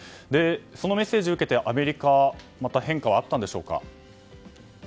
そのメッセージを受けてアメリカは変化はあったんでしょうか。